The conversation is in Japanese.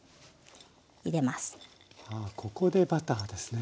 ここでバターですね。